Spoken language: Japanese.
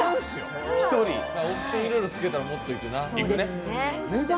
オプションつけたら、もっといくな。